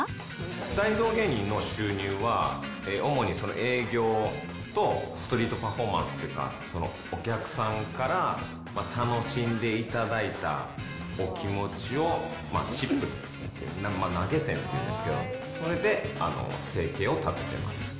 大道芸人の収入は、主に営業とストリートパフォーマンスというか、お客さんから楽しんでいただいたお気持ちをチップ、投げ銭っていうんですけど、それで生計を立ててます。